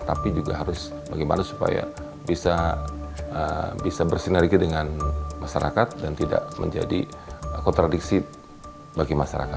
tapi juga harus bagaimana supaya bisa bersinergi dengan masyarakat dan tidak menjadi kontradiksi bagi masyarakat